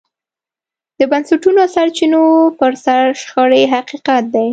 د بنسټونو او سرچینو پر سر شخړې حقیقت دی.